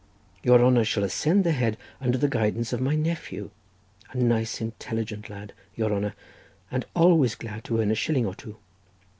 Your honour shall ascend the head under the guidance of my nephew, a nice intelligent lad, your honour, and always glad to earn a shilling or two.